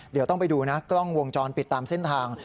เดี๋ยวต้องไปดูนะกล้องวงจรปิดตามเส้นทาง